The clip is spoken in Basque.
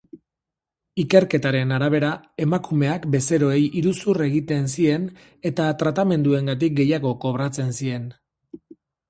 Ikerketaren arabera, emakumeak bezeroei iruzur egiten zien eta tratamenduengatik gehiago kobratzen zien.